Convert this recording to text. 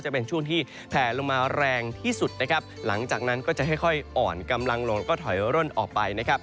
จะเป็นช่วงที่แผลลงมาแรงที่สุดนะครับหลังจากนั้นก็จะค่อยอ่อนกำลังลงแล้วก็ถอยร่นออกไปนะครับ